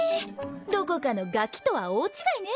どこかのガキとは大違いね。